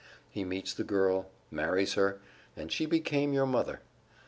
He meets the girl, marries her and she became your mother.